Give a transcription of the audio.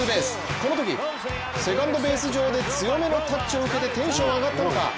このとき、セカンドベース上で強めのタッチを受けてテンション上がったのか